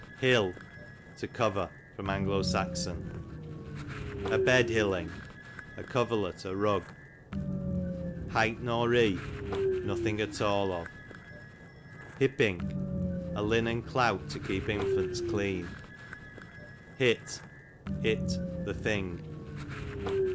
Hill, to cover. A. S. A Bed hilling, a coverlet, a rug. Hight nor ree, nothing at all of. Hippink, a linen clout to keep infants clean. Hit, it, the thing.